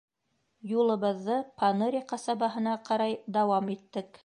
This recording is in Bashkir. Юлыбыҙҙы Поныри ҡасабаһына ҡарай дауам иттек.